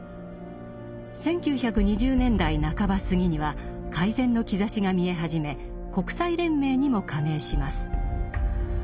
１９２０年代半ばすぎには改善の兆しが見え始め国際連盟にも加盟します。